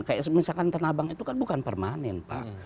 kayak misalkan tanah abang itu kan bukan permanen pak